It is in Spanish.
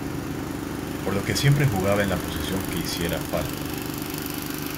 Por lo que siempre jugaba en la posición que hiciera falta.